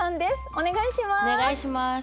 お願いします。